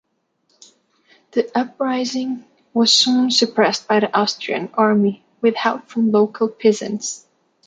The uprising was soon suppressed by the Austrian army with help from local peasants.